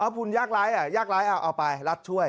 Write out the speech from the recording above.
คุณยากร้ายยากร้ายเอาไปรัฐช่วย